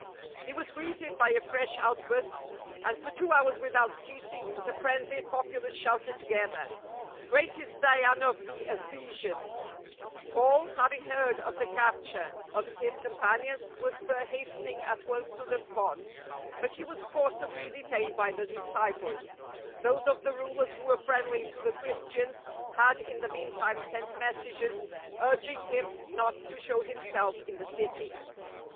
He was greeted, by a fresh outburst, and for two hours without ceasing the frenzied populace shouted to gether: " Great is Diana of the Ephesians !"^ Paul, having heard of the capture of his companions, was for hastening at once to the spot, but he was forcibly detained by the disciples. Those of the rulers who were friendly to the Christians had in the meantime sent messages urging him not to show himself in the city.